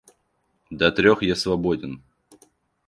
До трех я свободен.